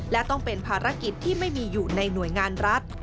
และต้องเป็นภารกิจที่ไม่มีอยู่ในหน่วยงานรัฐ